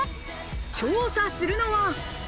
調査するのは。